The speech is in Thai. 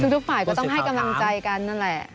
ทุกฝ่ายก็ต้องให้กำลังใจกันนั่นแหละ